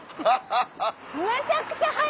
ハハハハ！